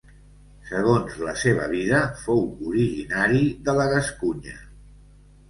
Segons la seva vida, fou originari de la Gascunya.